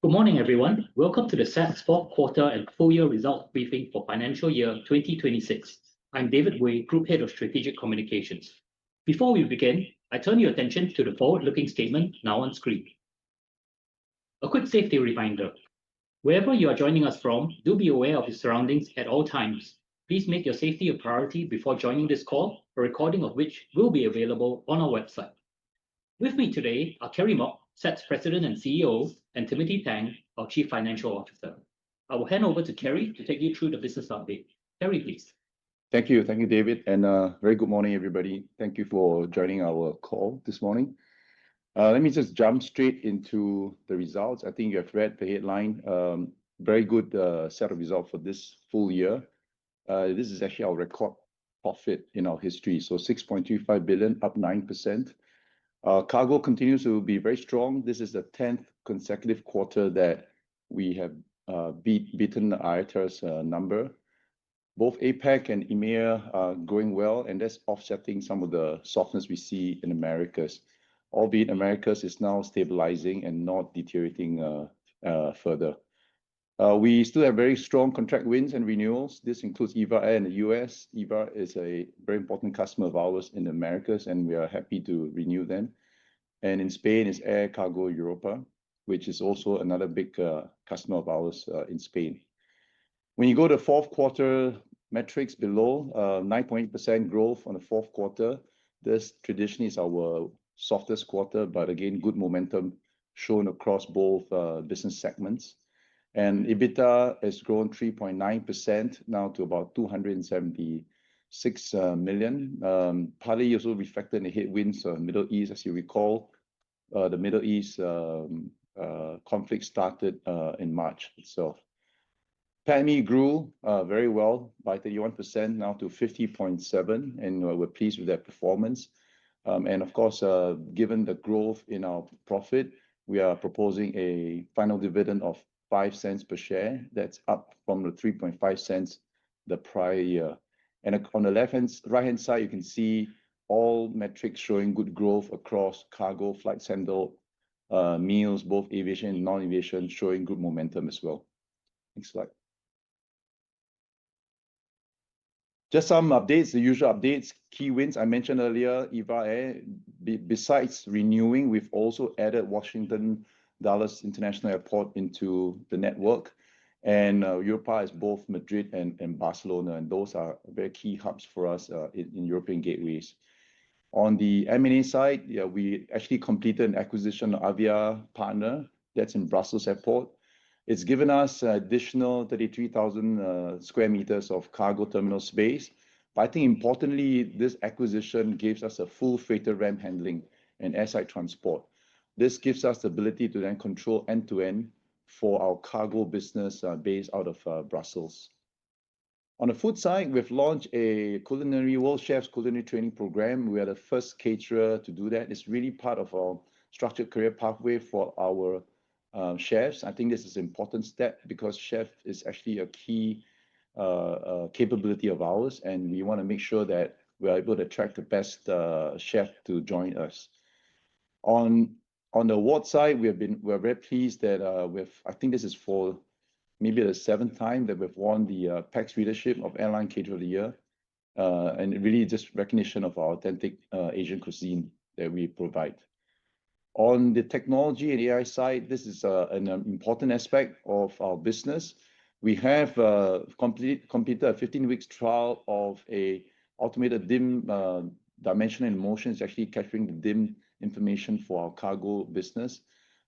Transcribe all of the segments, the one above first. Good morning, everyone. Welcome to the SATS fourth quarter and full year results briefing for financial year 2026. I'm David Wei, Group Head of Strategic Communications. Before we begin, I turn your attention to the forward-looking statement now on screen. A quick safety reminder. Wherever you are joining us from, do be aware of your surroundings at all times. Please make your safety a priority before joining this call, a recording of which will be available on our website. With me today are Kerry Mok, SATS President and CEO, and Timothy Tang, our Chief Financial Officer. I will hand over to Kerry to take you through the business update. Kerry, please. Thank you, David, and a very good morning, everybody. Thank you for joining our call this morning. Let me just jump straight into the results. I think you have read the headline. Very good set of results for this full year. This is actually our record profit in our history, so 6.25 billion, up 9%. Cargo continues to be very strong. This is the 10th consecutive quarter that we have beaten IATA's number. Both APAC and EMEA are going well, and that's offsetting some of the softness we see in Americas. Albeit Americas is now stabilizing and not deteriorating further. We still have very strong contract wins and renewals. This includes EVA Air in the U.S. EVA is a very important customer of ours in Americas, and we are happy to renew them. In Spain is Air Europa Cargo, which is also another big customer of ours in Spain. When you go to fourth quarter metrics below, 9.8% growth on the fourth quarter. This traditionally is our softest quarter, but again, good momentum shown across both business segments. EBITDA has grown 3.9% now to about 276 million, partly also reflecting the headwinds of Middle East, as you recall. The Middle East conflict started in March itself. PATMI grew very well by 31%, now to 50.7, and we're pleased with that performance. Of course, given the growth in our profit, we are proposing a final dividend of 0.05 per share. That's up from the 0.035 the prior year. On the right-hand side, you can see all metrics showing good growth across cargo, flight schedule, meals, both aviation and non-aviation showing good momentum as well. Next slide. Just some updates, the usual updates. Key wins. I mentioned earlier, EVA Air. Besides renewing, we've also added Washington Dulles International Airport into the network. Europa is both Madrid and Barcelona, and those are very key hubs for us in European gateways. On the M&A side, we actually completed an acquisition of Aviapartner. That's in Brussels Airport. It's given us additional 33,000 sq m of cargo terminal space. I think importantly, this acquisition gives us a full freighter ramp handling and airside transport. This gives us the ability to then control end-to-end for our cargo business based out of Brussels. On the food side, we've launched a World Chefs Culinary Training Program. We are the first caterer to do that. It's really part of our structured career pathway for our chefs. I think this is an important step because chef is actually a key capability of ours, and we want to make sure that we are able to attract the best chef to join us. On awards side, we're very pleased that we've— I think this is for maybe the seventh time that we've won the PAX Readership of Airline Caterer of the Year. Really just recognition of our authentic Asian cuisine that we provide. On the technology and AI side, this is an important aspect of our business. We have completed a 15-week trial of an automated DIM. Dimension in Motion is actually capturing the DIM information for our cargo business.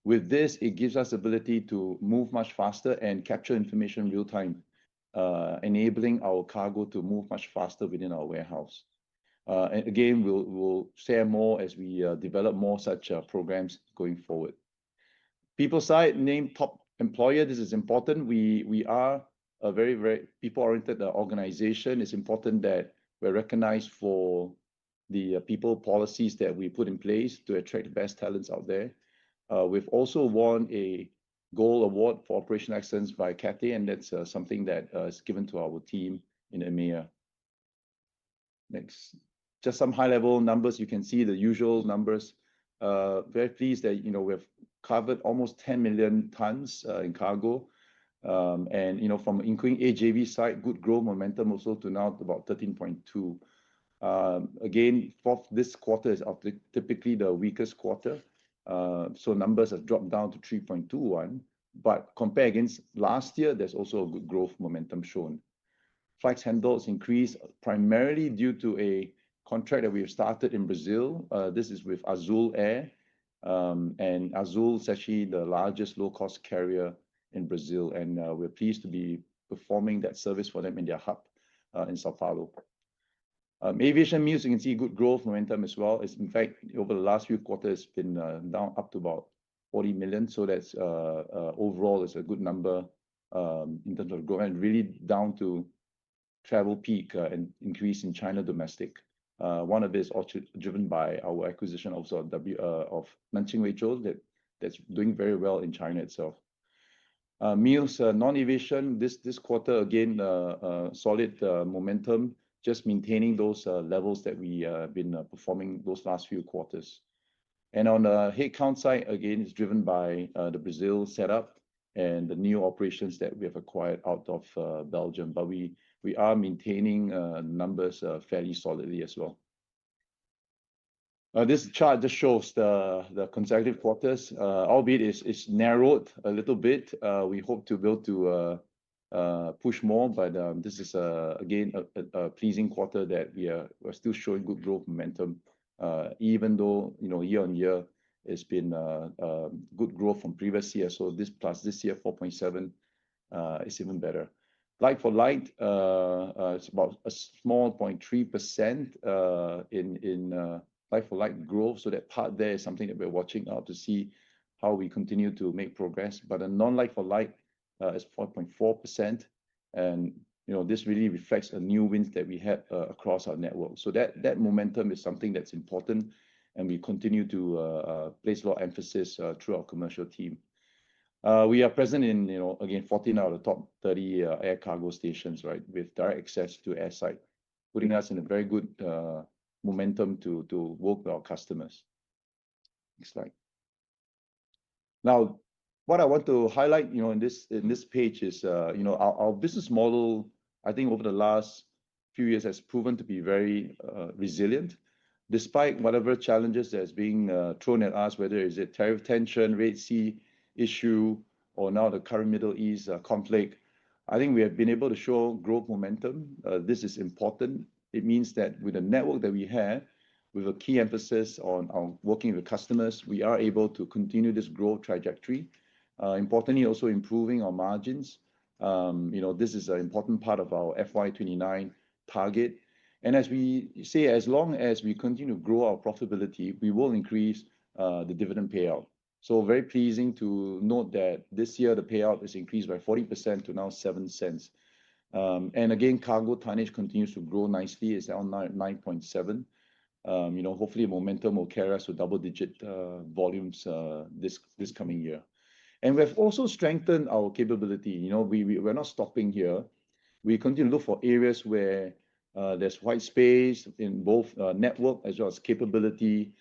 With this, it gives us ability to move much faster and capture information real-time, enabling our cargo to move much faster within our warehouse. Again, we'll share more as we develop more such programs going forward. People side, named top employer. This is important. We are a very people-oriented organization. It's important that we're recognized for the people policies that we put in place to attract the best talents out there. We've also won a Gold Award for Operation Excellence by Cathay. That's something that is given to our team in EMEA. Next. Just some high-level numbers. You can see the usual numbers. Very pleased that we have covered almost 10 million tonnes in cargo. From including AJV side, good growth momentum also to now about 13.2 million tonnes. This quarter is typically the weakest quarter, numbers have dropped down to 3.21 million tonnes. Compare against last year, there's also a good growth momentum shown. Flights handles increase primarily due to a contract that we have started in Brazil. This is with Azul Air, Azul is actually the largest low-cost carrier in Brazil, we're pleased to be performing that service for them in their hub in São Paulo. Aviation meals, you can see good growth momentum as well. In fact, over the last few quarters, it's been up to about 40 million. That overall is a good number in terms of growth and really down to travel peak and increase in China domestic. One of it is also driven by our acquisition also of Nanjing Weizhou that's doing very well in China itself. Meals non-aviation, this quarter, again, solid momentum, just maintaining those levels that we have been performing those last few quarters. On the head count side, again, it's driven by the Brazil setup and the new operations that we have acquired out of Belgium. We are maintaining numbers fairly solidly as well. This chart just shows the consecutive quarters. Albeit it's narrowed a little bit. We hope to be able to push more, but this is again, a pleasing quarter that we're still showing good growth momentum. Even though, year-on-year it's been good growth from previous years. This plus this year, 4.7%, is even better. Like-for-like, it's about a small 0.3% in like-for-like growth. That part there is something that we're watching out to see how we continue to make progress. A non-like-for-like, is 4.4% and this really reflects the new wins that we had across our network. That momentum is something that's important and we continue to place a lot of emphasis through our commercial team. We are present in, again, 14 out of the top 30 air cargo stations. With direct access to airside, putting us in a very good momentum to work with our customers. Next slide. What I want to highlight in this page is our business model, I think over the last few years has proven to be very resilient. Despite whatever challenges that's being thrown at us, whether it's tariff tension, Red Sea issue, or now the current Middle East conflict, I think we have been able to show growth momentum. This is important. It means that with the network that we have, with a key emphasis on working with customers, we are able to continue this growth trajectory. Importantly also improving our margins. This is an important part of our FY 2029 target, and as we say, as long as we continue to grow our profitability, we will increase the dividend payout. Very pleasing to note that this year the payout is increased by 40% to now 0.07. Again, cargo tonnage continues to grow nicely. It's up at 9.7%. Hopefully, momentum will carry us to double-digit volumes this coming year. We have also strengthened our capability. We're not stopping here. We continue to look for areas where there's white space in both network as well as capability.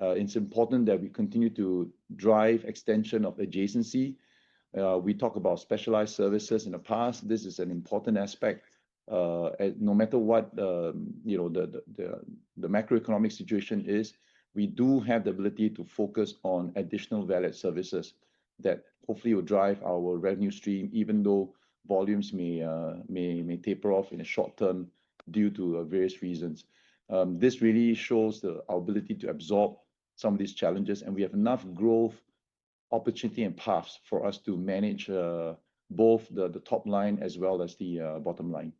It's important that we continue to drive extension of adjacency. We talk about specialized services in the past. This is an important aspect. No matter what the macroeconomic situation is, we do have the ability to focus on additional value services that hopefully will drive our revenue stream, even though volumes may taper off in the short term due to various reasons. This really shows our ability to absorb some of these challenges, and we have enough growth opportunity and paths for us to manage both the top line as well as the bottom line.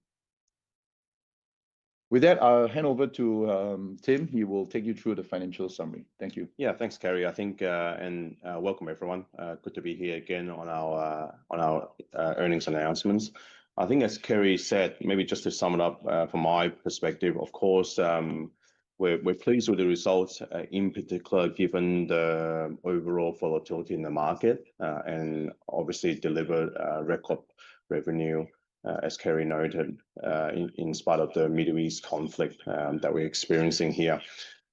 With that, I'll hand over to Tim, who will take you through the financial summary. Thank you. Yeah, thanks, Kerry, and welcome everyone. Good to be here again on our earnings announcements. I think as Kerry said, maybe just to sum it up, from my perspective, of course, we're pleased with the results, in particular, given the overall volatility in the market. Obviously delivered record revenue, as Kerry noted, in spite of the Middle East conflict that we're experiencing here.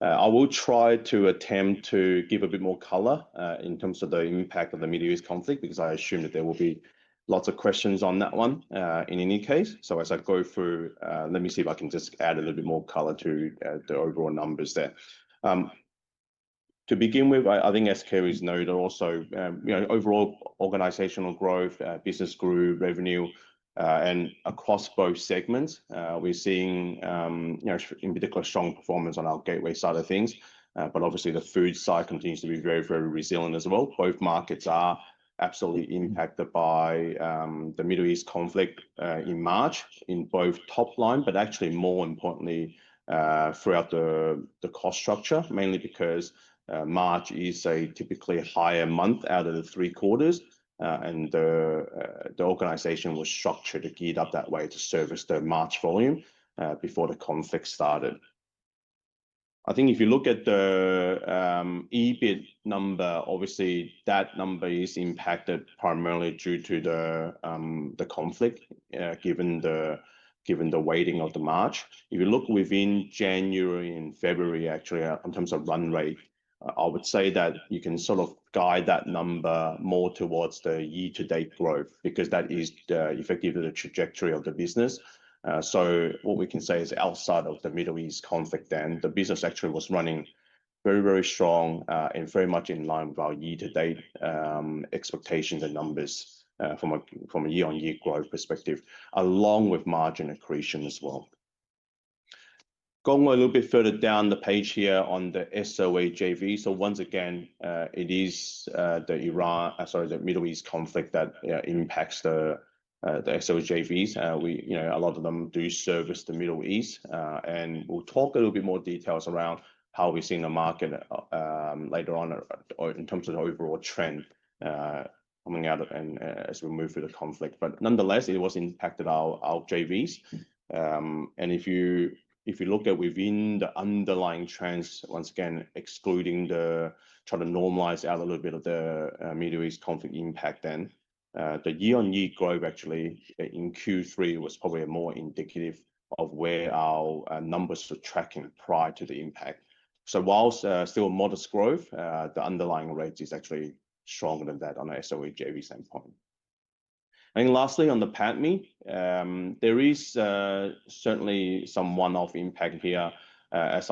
I will try to attempt to give a bit more color, in terms of the impact of the Middle East conflict, because I assume that there will be lots of questions on that one, in any case. As I go through, let me see if I can just add a little bit more color to the overall numbers there. To begin with, I think as Kerry's noted also, overall organizational growth, business grew, revenue, and across both segments. We're seeing, in particular, strong performance on our gateway side of things. Obviously the food side continues to be very, very resilient as well. Both markets are absolutely impacted by the Middle East conflict in March in both top line, but actually more importantly, throughout the cost structure, mainly because March is a typically higher month out of the three quarters. The organization was structured and geared up that way to service the March volume, before the conflict started. I think if you look at the EBIT number, obviously that number is impacted primarily due to the conflict, given the weighting of the March. If you look within January and February, actually, in terms of run rate, I would say that you can sort of guide that number more towards the year-to-date growth, because that is effectively the trajectory of the business. What we can say is outside of the Middle East conflict then, the business actually was running very, very strong, and very much in line with our year-to-date expectations and numbers from a year-on-year growth perspective, along with margin accretion as well. Going a little bit further down the page here on the SOA JV. Once again, it is the Middle East conflict that impacts the SOA JVs. A lot of them do service the Middle East. We'll talk a little bit more details around how we're seeing the market later on in terms of the overall trend coming out and as we move through the conflict. Nonetheless, it has impacted our JVs. If you look at within the underlying trends, once again, trying to normalize out a little bit of the Middle East conflict impact. The year-on-year growth actually in Q3 was probably more indicative of where our numbers were tracking prior to the impact. Whilst still modest growth, the underlying rate is actually stronger than that on an SOA JV standpoint. Lastly, on the PATMI, there is certainly some one-off impact here as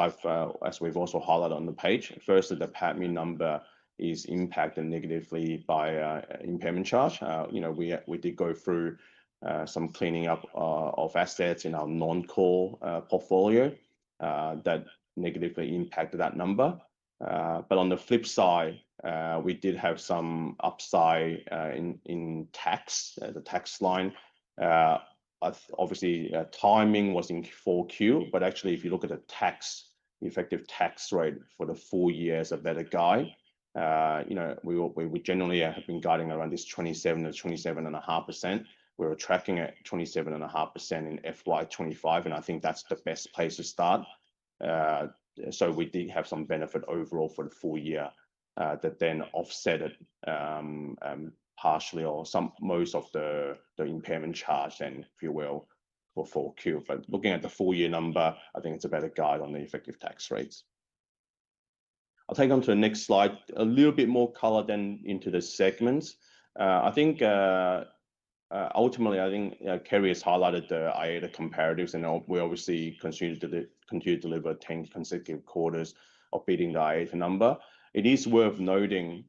we've also highlighted on the page. Firstly, the PATMI number is impacted negatively by an impairment charge. We did go through some cleaning up of assets in our non-core portfolio that negatively impacted that number. On the flip side, we did have some upside in tax, the tax line. Obviously, timing was in 4Q, but actually, if you look at the effective tax rate for the full year is a better guide. We generally have been guiding around this 27%-27.5%. We were tracking at 27.5% in FY 2025. I think that's the best place to start. We did have some benefit overall for the full year that then offset it partially or most of the impairment charge then, if you will, for 4Q. Looking at the full-year number, I think it's a better guide on the effective tax rates. I'll take on to the next slide. A little bit more color then into the segments. Ultimately, I think Kerry has highlighted the IATA comparatives. We obviously continue to deliver 10 consecutive quarters of beating the IATA number. It is worth noting,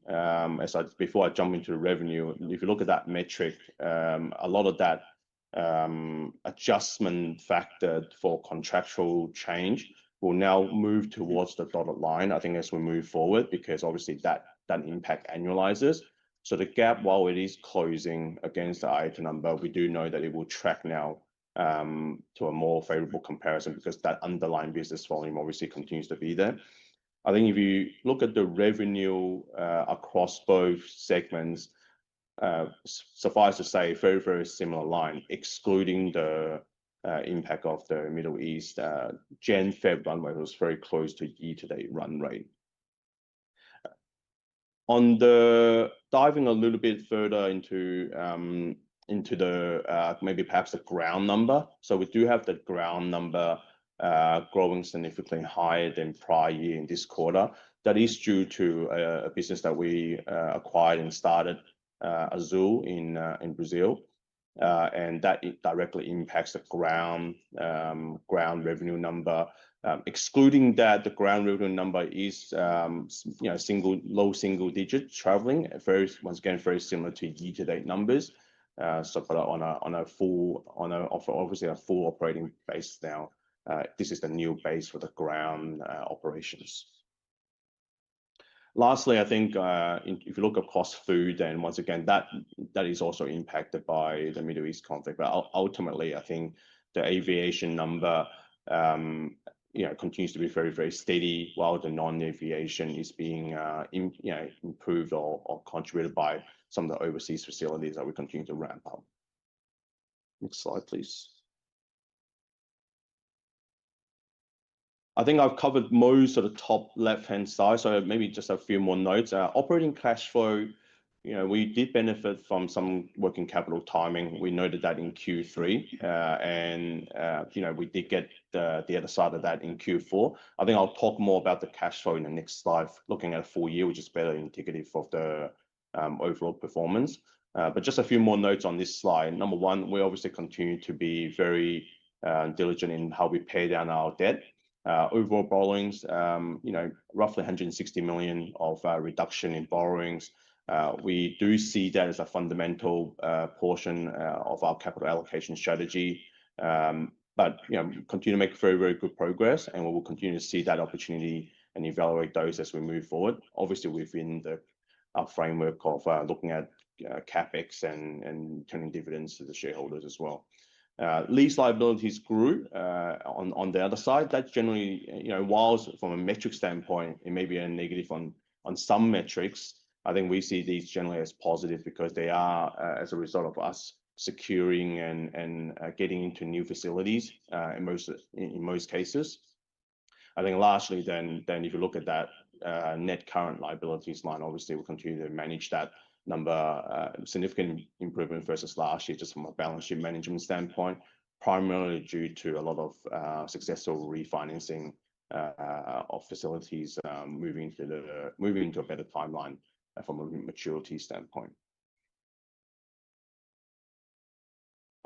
before I jump into revenue, if you look at that metric, a lot of that adjustment factor for contractual change will now move towards the dotted line, I think as we move forward, because obviously that impact annualizes. The gap, while it is closing against the IATA number, we do know that it will track now to a more favorable comparison because that underlying business volume obviously continues to be there. I think if you look at the revenue across both segments, suffice to say, very similar line, excluding the impact of the Middle East. January, February run rate was very close to year-to-date run rate. Diving a little bit further into maybe perhaps the ground number. We do have that ground number growing significantly higher than prior year in this quarter. That is due to a business that we acquired and started, Azul in Brazil. That directly impacts the ground revenue number. Excluding that, the ground revenue number is low single-digit traveling. Once again, very similar to year-to-date numbers. On a full operating base now. This is the new base for the ground operations. Lastly, I think if you look across food, once again, that is also impacted by the Middle East conflict. Ultimately, I think the aviation number continues to be very steady while the non-aviation is being improved or contributed by some of the overseas facilities that we continue to ramp up. Next slide, please. I think I've covered most of the top left-hand side. Maybe just a few more notes. Operating cash flow, we did benefit from some working capital timing. We noted that in Q3, and we did get the other side of that in Q4. I think I'll talk more about the cash flow in the next slide, looking at a full year, which is better indicative of the overall performance. Just a few more notes on this slide. Number one, we obviously continue to be very diligent in how we pay down our debt. Overall borrowings, roughly 160 million of reduction in borrowings. We do see that as a fundamental portion of our capital allocation strategy. Continue to make very good progress, and we will continue to see that opportunity and evaluate those as we move forward. Obviously, within our framework of looking at CapEx and turning dividends to the shareholders as well. Lease liabilities grew on the other side. That generally, whilst from a metric standpoint, it may be a negative on some metrics, I think we see these generally as positive because they are as a result of us securing and getting into new facilities in most cases. I think lastly, if you look at that net current liabilities line, obviously, we continue to manage that number. Significant improvement versus last year, just from a balance sheet management standpoint, primarily due to a lot of successful refinancing of facilities moving to a better timeline from a maturity standpoint.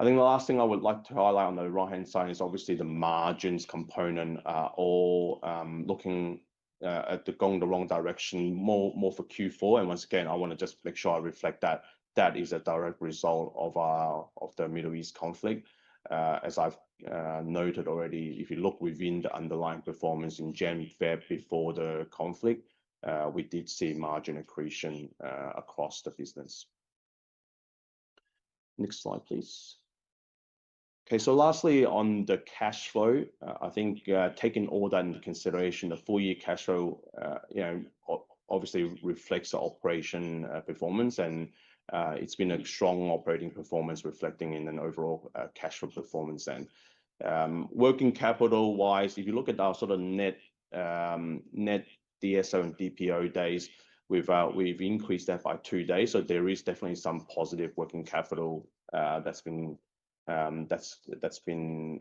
I think the last thing I would like to highlight on the right-hand side is obviously the margins component are all looking at going the wrong direction, more for Q4. Once again, I want to just make sure I reflect that is a direct result of the Middle East conflict. As I've noted already, if you look within the underlying performance in Jan, Feb before the conflict, we did see margin accretion across the business. Next slide, please. Lastly, on the cash flow, I think taking all that into consideration, the full-year cash flow obviously reflects the operating performance, and it's been a strong operating performance reflecting in an overall cash flow performance. Working capital-wise, if you look at our net DSO and DPO days, we've increased that by two days. There is definitely some positive working capital that's been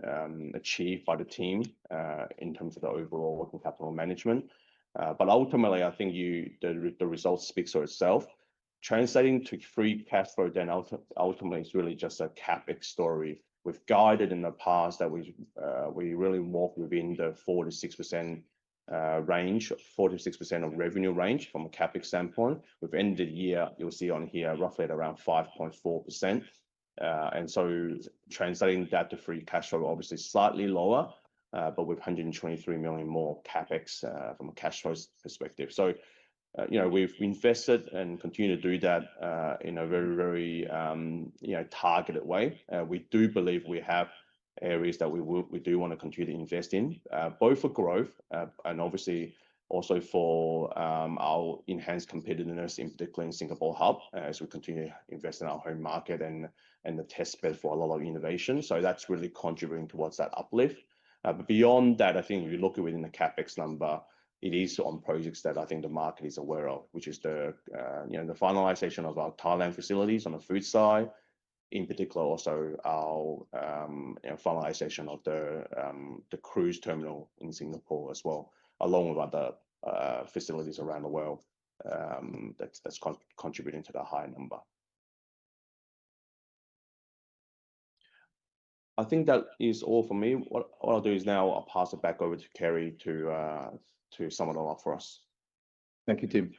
achieved by the team in terms of the overall working capital management. Ultimately, I think the result speaks for itself. Translating to free cash flow ultimately is really just a CapEx story. We've guided in the past that we really work within the 4%-6% of revenue range from a CapEx standpoint. We've ended the year, you'll see on here, roughly at around 5.4%. Translating that to free cash flow, obviously slightly lower, but with 123 million more CapEx from a cash flow perspective. We've invested and continue to do that in a very targeted way. We do believe we have areas that we do want to continue to invest in, both for growth and obviously also for our enhanced competitiveness, in particular in Singapore Hub, as we continue to invest in our home market and the test bed for a lot of innovation. That's really contributing towards that uplift. Beyond that, I think if you look within the CapEx number, it is on projects that I think the market is aware of, which is the finalization of our Thailand facilities on the food side, in particular also our finalization of the cruise terminal in Singapore as well, along with other facilities around the world that's contributing to the higher number. I think that is all for me. What I'll do is now I'll pass it back over to Kerry to sum it all up for us. Thank you, Tim.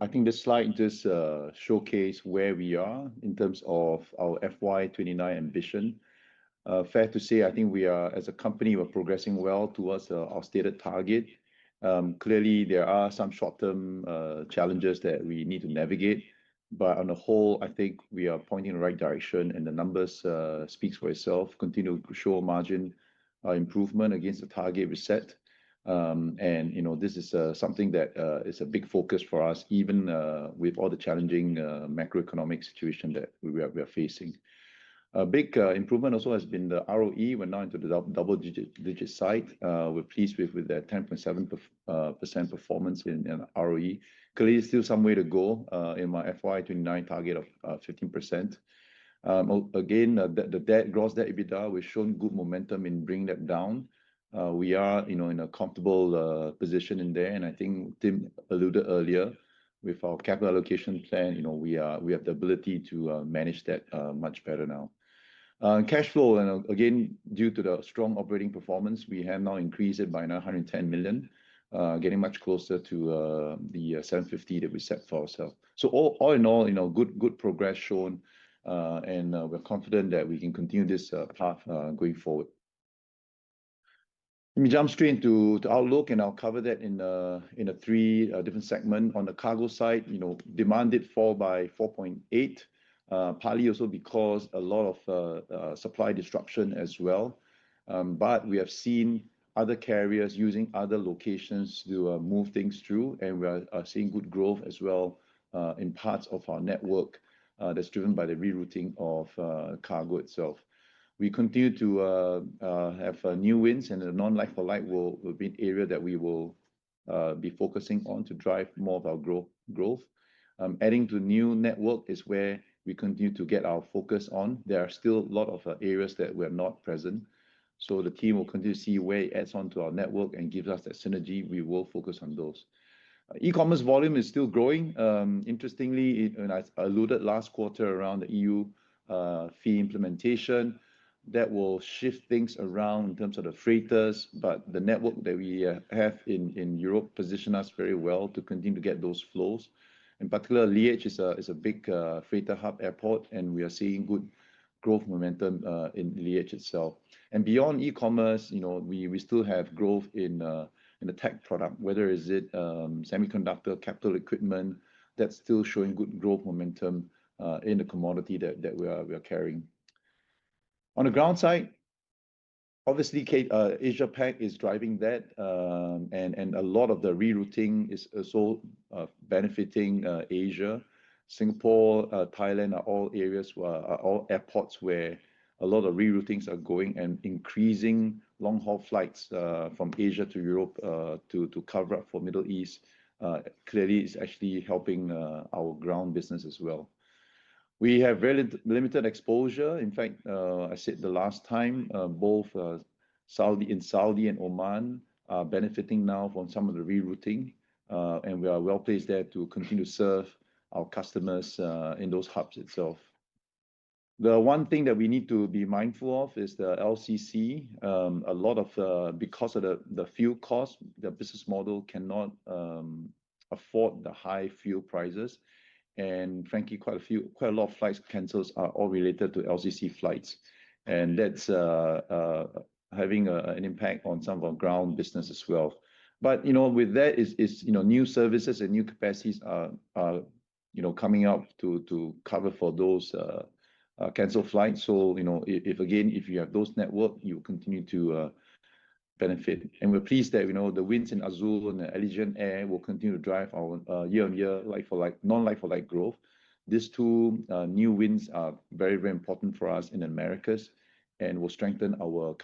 I think this slide just showcase where we are in terms of our FY 2029 ambition. Fair to say, I think we are, as a company, we're progressing well towards our stated target. There are some short-term challenges that we need to navigate. On the whole, I think we are pointing in the right direction, and the numbers speaks for itself. Continue to show margin improvement against the target we set. This is something that is a big focus for us, even with all the challenging macroeconomic situation that we are facing. A big improvement also has been the ROE. We're now into the double digit side. We're pleased with that 10.7% performance in ROE. Still some way to go in my FY 2029 target of 15%. The gross debt EBITDA, we've shown good momentum in bringing that down. We are in a comfortable position in there, I think Tim alluded earlier with our capital allocation plan, we have the ability to manage that much better now. Cash flow, again, due to the strong operating performance, we have now increased it by 110 million, getting much closer to the 750 million that we set for ourselves. All in all, good progress shown, we're confident that we can continue this path going forward. Let me jump straight into the outlook, I'll cover that in the three different segment. On the cargo side, demand did fall by 4.8%, partly also because a lot of supply disruption as well. We have seen other carriers using other locations to move things through, we are seeing good growth as well in parts of our network that's driven by the rerouting of cargo itself. We continue to have new wins. The non-like-for-like will be an area that we will be focusing on to drive more of our growth. Adding to new network is where we continue to get our focus on. There are still a lot of areas that we're not present. The team will continue to see where it adds on to our network and gives us that synergy. We will focus on those. E-commerce volume is still growing. Interestingly, and I alluded last quarter around the EU fee implementation, that will shift things around in terms of the freighters, but the network that we have in Europe position us very well to continue to get those flows. In particular, Liége is a big freighter hub airport, and we are seeing good growth momentum in Liége itself. Beyond e-commerce, we still have growth in the tech product, whether is it semiconductor, capital equipment, that's still showing good growth momentum in the commodity that we are carrying. On the ground side, obviously Asia-Pac is driving that. A lot of the rerouting is also benefiting Asia. Singapore, Thailand are all airports where a lot of reroutings are going and increasing long-haul flights from Asia to Europe to cover up for Middle East, clearly is actually helping our ground business as well. We have very limited exposure. In fact, I said the last time, both in Saudi and Oman are benefiting now from some of the rerouting. We are well-placed there to continue to serve our customers in those hubs itself. The one thing that we need to be mindful of is the LCC. Because of the fuel cost, their business model cannot afford the high fuel prices. Frankly, quite a lot of flight cancels are all related to LCC flights. That's having an impact on some of our ground business as well. With that is new services and new capacities are coming up to cover for those canceled flights. If again, if you have those network, you continue to benefit. We're pleased that the wins in Azul and the Allegiant Air will continue to drive our year-on-year non-like-for-like growth. These two new wins are very important for us in Americas and will strengthen our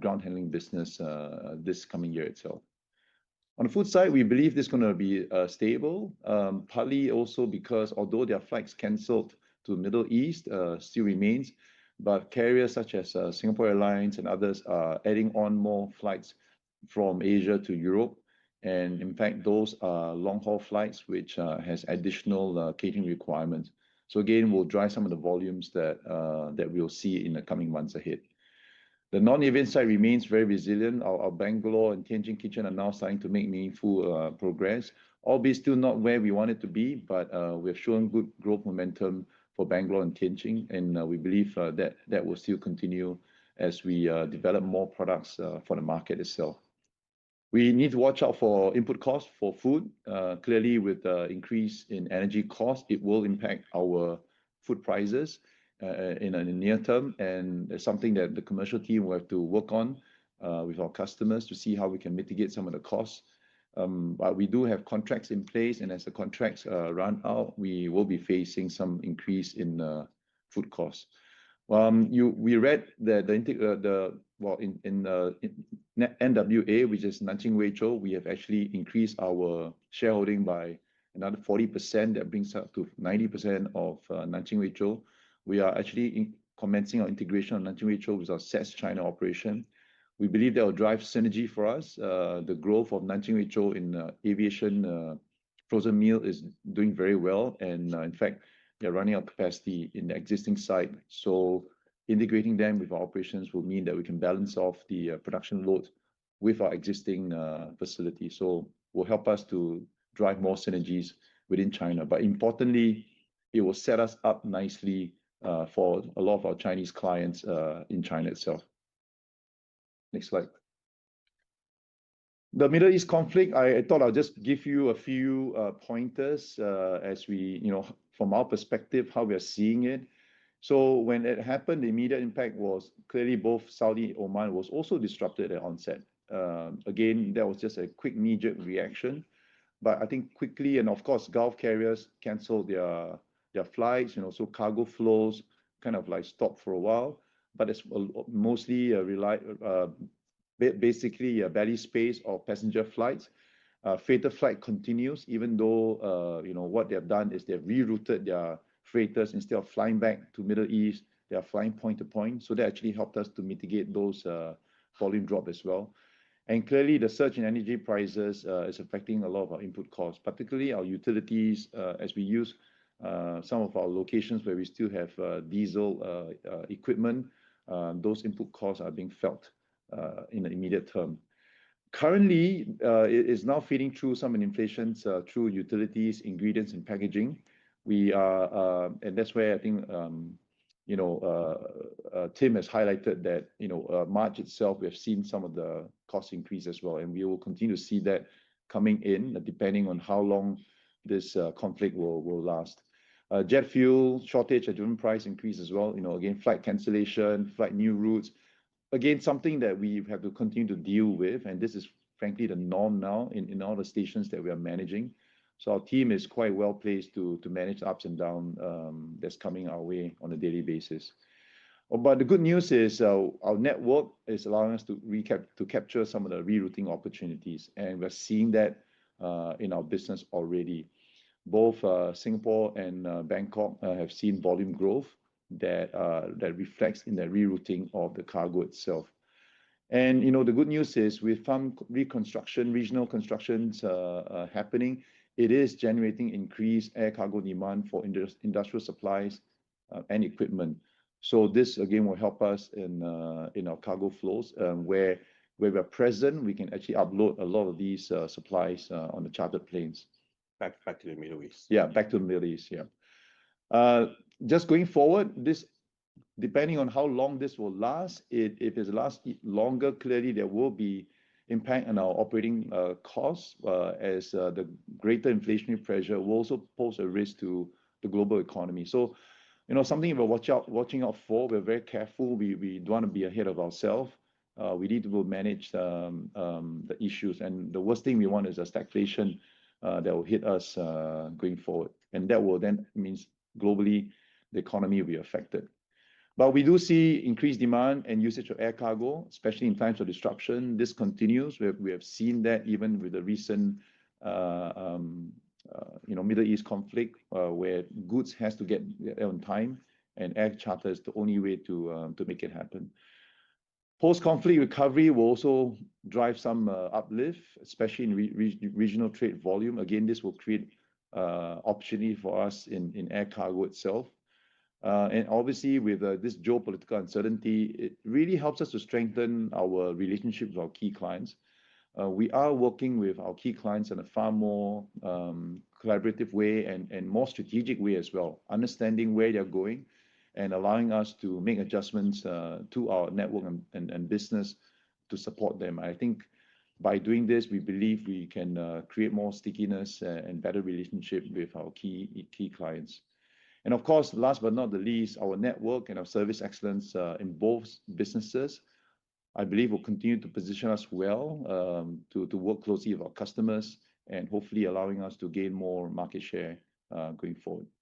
ground handling business this coming year itself. On the food side, we believe this is going to be stable. Partly also because although there are flights canceled to the Middle East, still remains, but carriers such as Singapore Airlines and others are adding on more flights from Asia to Europe. In fact, those are long-haul flights, which has additional catering requirements. Again, we'll drive some of the volumes that we'll see in the coming months ahead. The non-aviation side remains very resilient. Our Bangalore and Tianjin kitchen are now starting to make meaningful progress. Obviously, still not where we wanted to be, but we're showing good growth momentum for Bangalore and Tianjin, and we believe that will still continue as we develop more products for the market itself. We need to watch out for input costs for food. Clearly, with the increase in energy cost, it will impact our food prices in the near term, and something that the commercial team will have to work on with our customers to see how we can mitigate some of the costs. We do have contracts in place, and as the contracts run out, we will be facing some increase in food costs. We read that in NWA, which is Nanjing Weizhou, we have actually increased our shareholding by another 40%. That brings us up to 90% of Nanjing Weizhou. We are actually commencing our integration on Nanjing Weizhou with our SATS China operation. We believe that will drive synergy for us. The growth of Nanjing Weizhou in aviation frozen meal is doing very well. In fact, they're running out of capacity in the existing site. Integrating them with our operations will mean that we can balance off the production load with our existing facility. Will help us to drive more synergies within China. Importantly, it will set us up nicely for a lot of our Chinese clients in China itself. Next slide. The Middle East conflict, I thought I'll just give you a few pointers from our perspective, how we are seeing it. When it happened, the immediate impact was clearly both Saudi, Oman was also disrupted at onset. Again, that was just a quick immediate reaction. I think quickly, and of course, Gulf carriers canceled their flights, so cargo flows kind of stopped for a while, but it's mostly basically a belly space or passenger flights. Freighter flight continues, even though what they have done is they've rerouted their freighters. Instead of flying back to Middle East, they are flying point-to-point, that actually helped us to mitigate those volume drop as well. Clearly, the surge in energy prices is affecting a lot of our input costs, particularly our utilities, as we use some of our locations where we still have diesel equipment. Those input costs are being felt in the immediate term. Currently, it is now feeding through some inflations through utilities, ingredients, and packaging. That's where I think Tim has highlighted that March itself, we have seen some of the cost increase as well, we will continue to see that coming in, depending on how long this conflict will last. Jet fuel shortage and fuel price increase as well. Again, flight cancellation, flight new routes. Something that we have to continue to deal with, and this is frankly the norm now in all the stations that we are managing. Our team is quite well-placed to manage the ups and down that's coming our way on a daily basis. The good news is our network is allowing us to capture some of the rerouting opportunities, and we're seeing that in our business already. Both Singapore and Bangkok have seen volume growth that reflects in the rerouting of the cargo itself. The good news is we found reconstruction, regional constructions happening. It is generating increased air cargo demand for industrial supplies and equipment. This, again, will help us in our cargo flows, where we are present, we can actually upload a lot of these supplies on the chartered planes. Back to the Middle East. Yeah, back to the Middle East. Yeah. Just going forward, depending on how long this will last, if it lasts longer, clearly, there will be impact on our operating costs, as the greater inflationary pressure will also pose a risk to the global economy. Something we're watching out for. We're very careful. We don't want to be ahead of ourselves. We need to manage the issues. The worst thing we want is a stagflation that will hit us going forward. That will then means globally, the economy will be affected. We do see increased demand and usage of air cargo, especially in times of disruption. This continues. We have seen that even with the recent Middle East conflict, where goods has to get there on time, and air charter is the only way to make it happen. Post-conflict recovery will also drive some uplift, especially in regional trade volume. Again, this will create opportunity for us in air cargo itself. Obviously, with this geopolitical uncertainty, it really helps us to strengthen our relationships with our key clients. We are working with our key clients in a far more collaborative way and more strategic way as well, understanding where they're going and allowing us to make adjustments to our network and business to support them. I think by doing this, we believe we can create more stickiness and better relationship with our key clients. Of course, last but not least, our network and our service excellence in both businesses, I believe, will continue to position us well to work closely with our customers and hopefully allowing us to gain more market share going forward. Thank you.